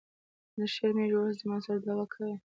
نه شرمېږې اوس زما د سر دعوه کړې.